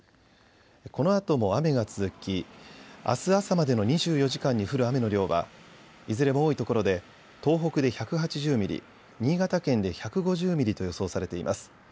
このあとも雨が続き、あす朝までの２４時間に降る雨の量はいずれも多いところで東北で１８０ミリ、新潟県で１５０ミリと予想されています。